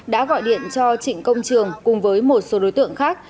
đã gọi điện cho trịnh công trường cùng với một số đối tượng khác